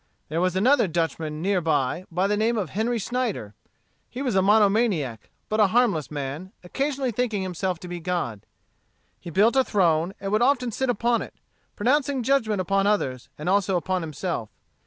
There was another Dutchman near by, by the name of Henry Snyder. He was a mono maniac, but a harmless man, occasionally thinking himself to be God. He built a throne, and would often sit upon it, pronouncing judgment upon others, and also upon himself.